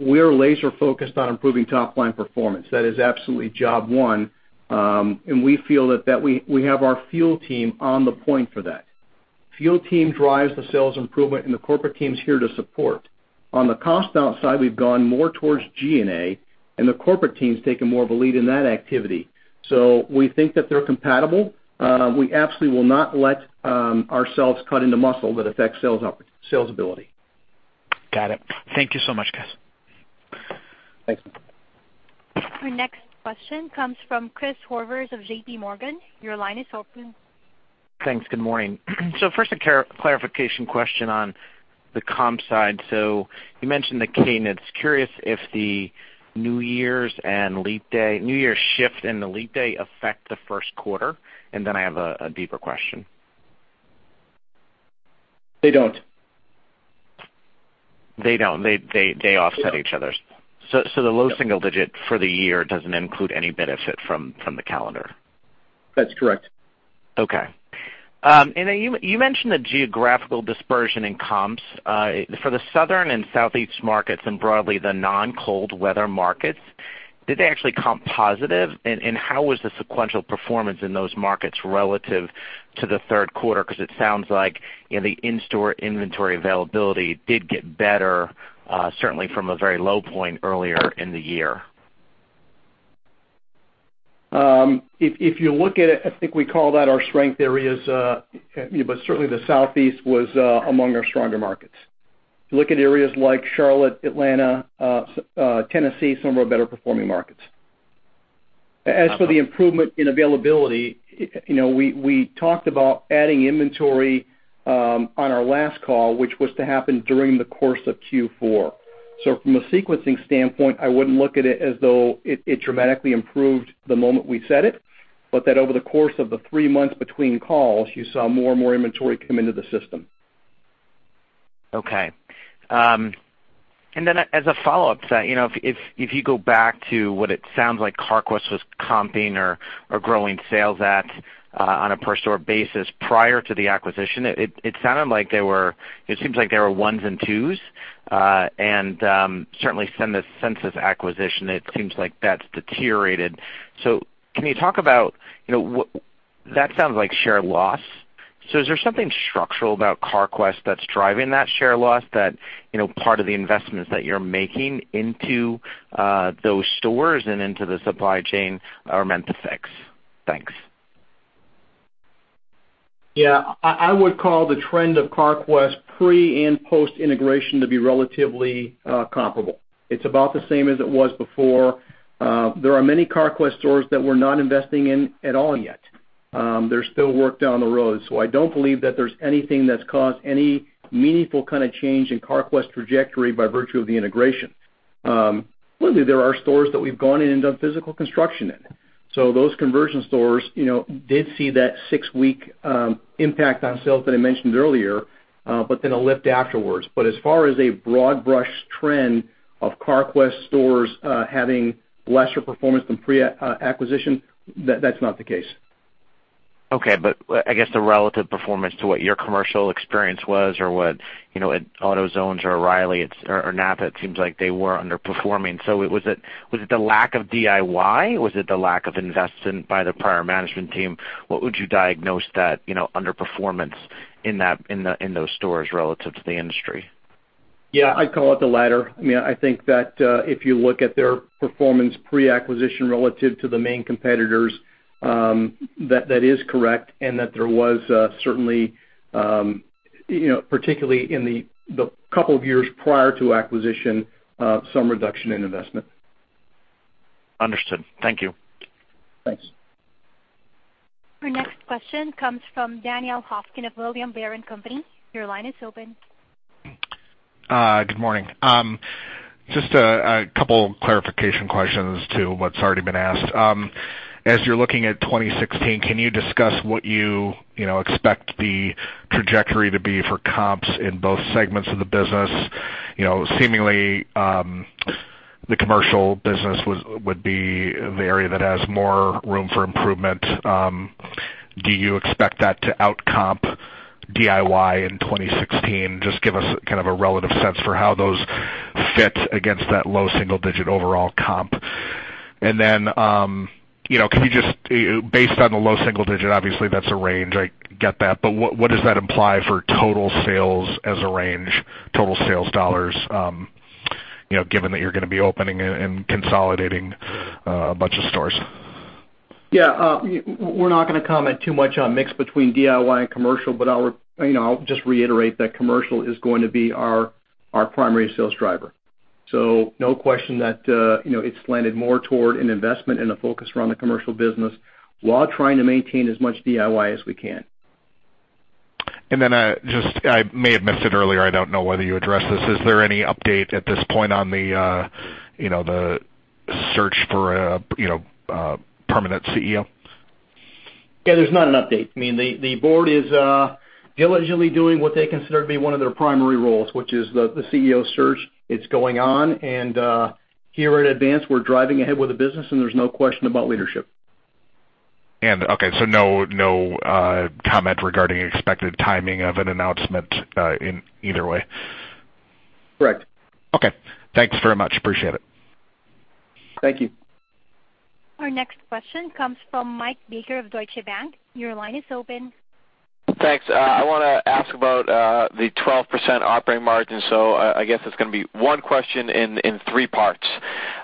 We are laser focused on improving top-line performance. That is absolutely job one. We feel that we have our field team on the point for that. Field team drives the sales improvement and the corporate team's here to support. On the cost out side, we've gone more towards G&A, and the corporate team's taken more of a lead in that activity. We think that they're compatible. We absolutely will not let ourselves cut into muscle that affects sales ability. Got it. Thank you so much, guys. Thanks. Our next question comes from Chris Horvers of JPMorgan. Your line is open. Thanks. Good morning. First, a clarification question on the comp side. You mentioned the cadence. Curious if the New Year's shift and the leap day affect the first quarter? I have a deeper question. They don't. They don't. They offset each other. Yeah. The low single digit for the year doesn't include any benefit from the calendar. That's correct. You mentioned the geographical dispersion in comps. For the Southern and Southeast markets and broadly the non-cold weather markets, did they actually comp positive? How was the sequential performance in those markets relative to the third quarter? Because it sounds like the in-store inventory availability did get better, certainly from a very low point earlier in the year. If you look at it, I think we call that our strength areas, but certainly the Southeast was among our stronger markets. If you look at areas like Charlotte, Atlanta, Tennessee, some of our better performing markets. As for the improvement in availability, we talked about adding inventory on our last call, which was to happen during the course of Q4. From a sequencing standpoint, I wouldn't look at it as though it dramatically improved the moment we set it, but that over the course of the three months between calls, you saw more and more inventory come into the system. As a follow-up, if you go back to what it sounds like Carquest was comping or growing sales at on a per store basis prior to the acquisition, it seems like there were ones and twos. Certainly since this acquisition, it seems like that's deteriorated. Can you talk about, that sounds like share loss. Is there something structural about Carquest that's driving that share loss that, part of the investments that you're making into those stores and into the supply chain are meant to fix? Thanks. Yeah, I would call the trend of Carquest pre and post-integration to be relatively comparable. It's about the same as it was before. There are many Carquest stores that we're not investing in at all yet. There's still work down the road. I don't believe that there's anything that's caused any meaningful kind of change in Carquest trajectory by virtue of the integration. Clearly, there are stores that we've gone in and done physical construction in. Those conversion stores did see that six-week impact on sales that I mentioned earlier, a lift afterwards. As far as a broad-brush trend of Carquest stores having lesser performance than pre-acquisition, that's not the case. Okay, I guess the relative performance to what your commercial experience was or what AutoZone's or O'Reilly or NAPA, it seems like they were underperforming. Was it the lack of DIY? Was it the lack of investment by the prior management team? What would you diagnose that underperformance in those stores relative to the industry? Yeah, I'd call it the latter. I think that if you look at their performance pre-acquisition relative to the main competitors, that is correct, and that there was certainly, particularly in the couple of years prior to acquisition, some reduction in investment. Understood. Thank you. Thanks. Our next question comes from Danielle Hopkins of William Blair & Company. Your line is open. Good morning. Just a couple clarification questions to what's already been asked. As you're looking at 2016, can you discuss what you expect the trajectory to be for comps in both segments of the business? Seemingly, the commercial business would be the area that has more room for improvement. Do you expect that to outcomp DIY in 2016? Just give us kind of a relative sense for how those fit against that low single digit overall comp. Then, based on the low single digit, obviously that's a range, I get that, but what does that imply for total sales as a range, total sales dollars, given that you're going to be opening and consolidating a bunch of stores? Yeah. We're not going to comment too much on mix between DIY and commercial, but I'll just reiterate that commercial is going to be our primary sales driver. No question that it's slanted more toward an investment and a focus around the commercial business while trying to maintain as much DIY as we can. I may have missed it earlier, I don't know whether you addressed this. Is there any update at this point on the search for a permanent CEO? There's not an update. The board is diligently doing what they consider to be one of their primary roles, which is the CEO search. It's going on, here at Advance, we're driving ahead with the business, and there's no question about leadership. No comment regarding expected timing of an announcement in either way. Correct. Thanks very much. Appreciate it. Thank you. Our next question comes from Michael Baker of Deutsche Bank. Your line is open. Thanks. I want to ask about the 12% operating margin, so I guess it's going to be one question in three parts.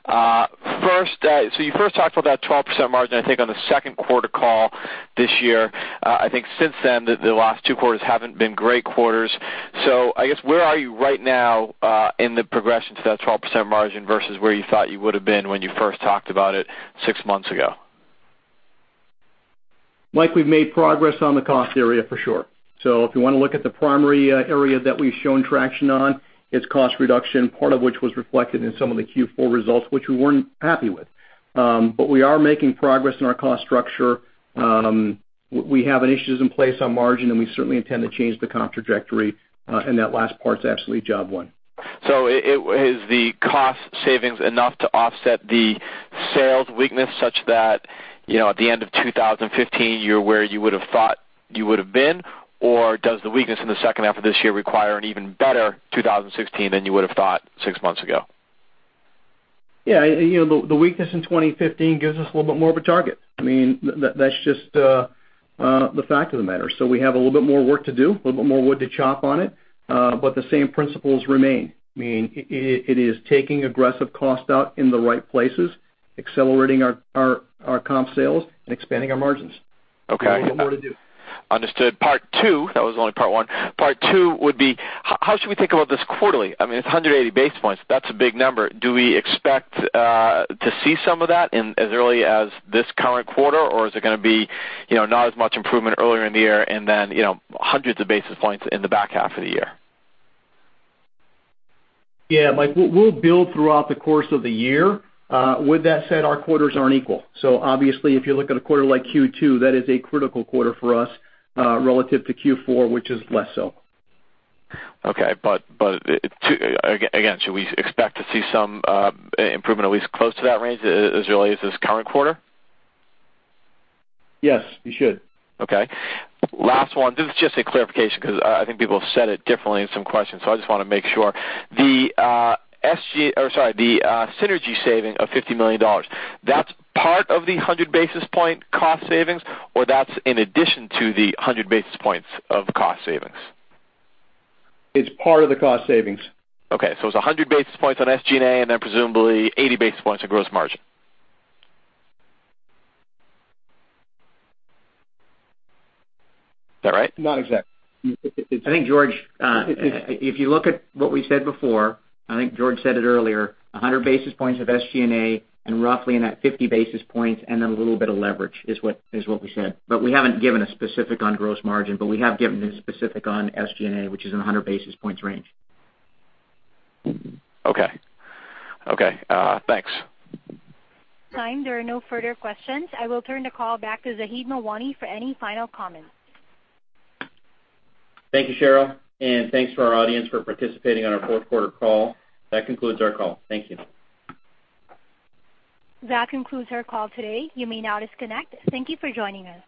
You first talked about that 12% margin, I think, on the second quarter call this year. I think since then, the last two quarters haven't been great quarters. I guess where are you right now in the progression to that 12% margin versus where you thought you would've been when you first talked about it six months ago? Mike, we've made progress on the cost area for sure. If you want to look at the primary area that we've shown traction on, it's cost reduction, part of which was reflected in some of the Q4 results, which we weren't happy with. We are making progress in our cost structure. We have initiatives in place on margin, and we certainly intend to change the comp trajectory, and that last part's absolutely job one. Is the cost savings enough to offset the sales weakness such that at the end of 2015, you're where you would've thought you would've been? Or does the weakness in the second half of this year require an even better 2016 than you would've thought six months ago? Yeah. The weakness in 2015 gives us a little bit more of a target. That's just the fact of the matter. We have a little bit more work to do, a little bit more wood to chop on it. The same principles remain. It is taking aggressive cost out in the right places, accelerating our comp sales, and expanding our margins. Okay. A little bit more to do. Understood. Part two, that was only part one. Part two would be, how should we think about this quarterly? It's 180 basis points. That's a big number. Do we expect to see some of that in as early as this current quarter, or is it going to be not as much improvement earlier in the year and then hundreds of basis points in the back half of the year? Yeah, Mike, we'll build throughout the course of the year. With that said, our quarters aren't equal. Obviously, if you look at a quarter like Q2, that is a critical quarter for us, relative to Q4, which is less so. Okay. Again, should we expect to see some improvement, at least close to that range, as early as this current quarter? Yes, you should. Okay. Last one. This is just a clarification because I think people have said it differently in some questions, so I just want to make sure. The synergy saving of $50 million, that's part of the 100 basis point cost savings, or that's in addition to the 100 basis points of cost savings? It's part of the cost savings. It's 100 basis points on SG&A, and then presumably 80 basis points on gross margin. Is that right? Not exactly. I think, George, if you look at what we said before, I think George said it earlier, 100 basis points of SG&A and roughly in that 50 basis points and then a little bit of leverage is what we said. We haven't given a specific on gross margin, we have given a specific on SG&A, which is in 100 basis points range. Okay. Thanks. Time, there are no further questions. I will turn the call back to Zaheed Mawani for any final comments. Thank you, Cheryl, and thanks to our audience for participating on our fourth quarter call. That concludes our call. Thank you. That concludes our call today. You may now disconnect. Thank you for joining us.